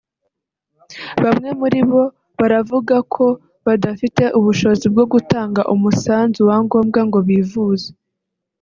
Bamwe muri abo baravuga ko badafite ubushobozi bwo gutanga umusanzu wa ngombwa ngo bivuze